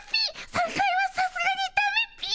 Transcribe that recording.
３回はさすがにだめっピィ！